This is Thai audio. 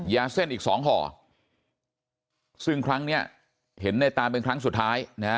ยาเส้นอีก๒ห่อซึ่งครั้งนี้เห็นนายตานเป็นครั้งสุดท้าย